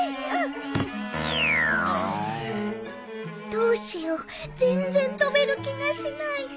どうしよう全然飛べる気がしない